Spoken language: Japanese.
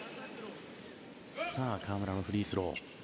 河村フリースロー